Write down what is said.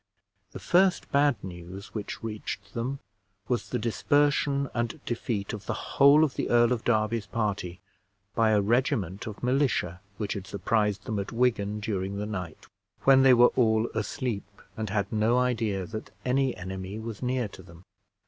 The first bad news which reached them was the dispersion and defeat of the whole of the Earl of Derby's party, by a regiment of militia which had surprised them at Wigan during the night, when they were all asleep, and had no idea that any enemy was near to them.